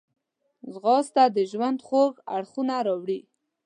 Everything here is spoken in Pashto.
ځغاسته د ژوند خوږ اړخونه راوړي